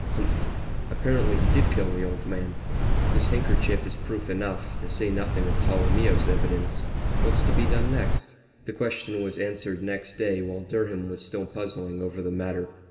Humph! Evidently he did kill the old man this handkerchief is proof enough, to say nothing of Tolomeo's evidence. What's to be done next?" The question was answered next day while Durham was still puzzling over the matter.